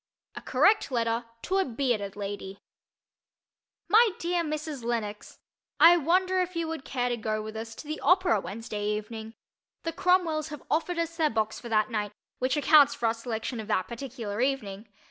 A CORRECT LETTER TO A BEARDED LADY My dear Mrs. Lenox: I wonder if you would care to go with us to the opera Wednesday evening? The Cromwells have offered us their box for that night, which accounts for our selection of that particular evening.